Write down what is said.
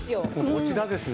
こちらですね